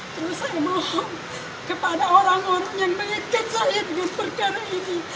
terus saya mohon kepada orang orang yang mengaitkan saya dengan perkara ini